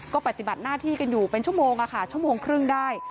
ก็ปฏิบัติหน้าที่กันอยู่เป็นชั่วโมงค่ะชั่วโมงครึ่งได้